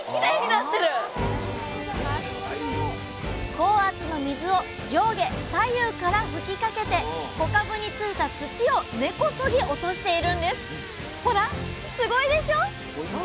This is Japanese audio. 高圧の水を上下左右から吹きかけて小かぶについた土を根こそぎ落としているんです。